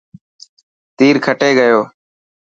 تير کٽي گيو.